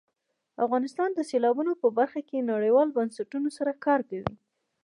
افغانستان د سیلابونه په برخه کې نړیوالو بنسټونو سره کار کوي.